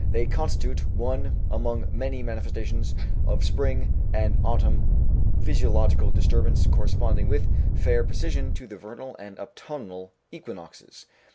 They constitute one among many manifestations of spring and autumn physiological disturbance corresponding with fair precision to the vernal and autumnal equinoxes.